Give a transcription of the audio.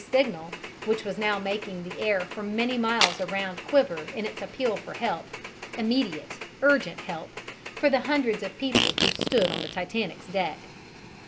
signal which was now making the air for many miles around quiver in its appeal for help immediate, urgent help for the hundreds of people who stood on the Titanic's deck.